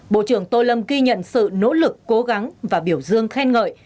bộ trưởng tô lâm ghi nhận sự nỗ lực cố gắng và biểu dương khen ngợi